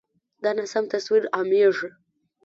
دا ناسم تصویر عامېږي.